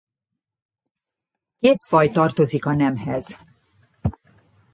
Két faj tartozik a nemhez.